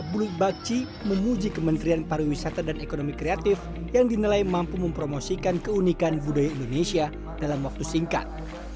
promosi wisata yang dilakukan kementerian pariwisata dan ekonomi kreatif menunjukkan jika indonesia sangat kaya potensi wisata